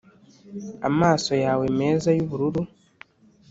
amaso yawe meza yubururu,